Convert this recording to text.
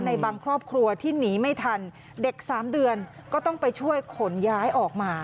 ในบางครอบครัวที่หนีไม่ทันเด็กสามเดือนก็ต้องไปช่วยขนย้ายออกมา